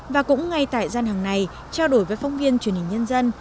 và cũng ngay tại gian hàng này trao đổi với phóng viên truyền hình nhân dân